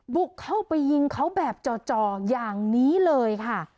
บุกเข้าไปยิงเขาแบบจ่ออย่างนี้เลยค่ะ